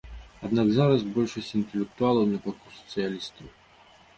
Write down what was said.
Аднак зараз большасць інтэлектуалаў на баку сацыялістаў.